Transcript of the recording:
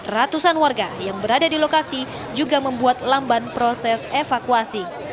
ratusan warga yang berada di lokasi juga membuat lamban proses evakuasi